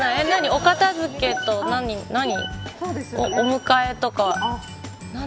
お片付けと、何お迎えとか。